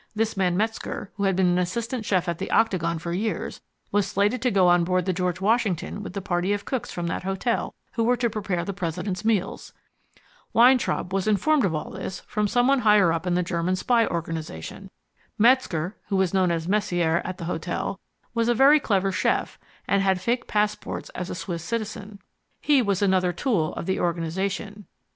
This man Metzger, who had been an assistant chef at the Octagon for years, was slated to go on board the George Washington with the party of cooks from that hotel who were to prepare the President's meals. Weintraub was informed of all this from someone higher up in the German spy organization. Metzger, who was known as Messier at the hotel, was a very clever chef, and had fake passports as a Swiss citizen. He was another tool of the organization.